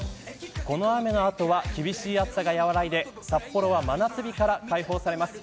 この雨の後は厳しい暑さが和らいで札幌は真夏日から解放されます。